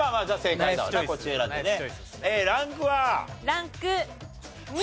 ランク２。